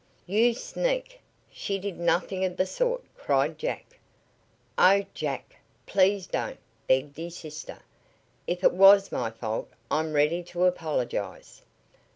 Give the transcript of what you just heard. "You sneak! She did nothing of the sort!" cried Jack. "Oh, Jack! Please don't!" begged his sister. "If it was my fault, I'm ready to apologize."